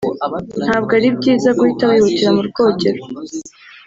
ntabwo ari byiza guhita wihutira mu rwogero